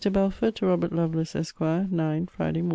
BELFORD, TO ROBERT LOVELACE, ESQ. NINE, FRIDAY MORN.